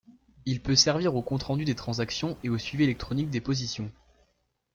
Il peut servir au compte-rendu des transactions et au suivi électronique des positions.